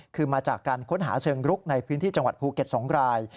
คือมาจากการค้นหาเชิงรุกในพื้นที่จังหวัดภูเก็ต๒ราย